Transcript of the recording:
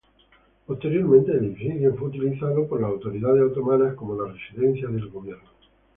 Posteriormente el edificio fue utilizado por las autoridades otomanas como la residencia del gobierno.